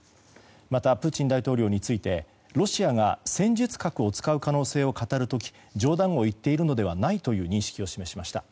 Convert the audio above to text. また、プーチン大統領についてロシアが戦術核を使う可能性を語る時冗談を言っているのではないとの認識を示しました。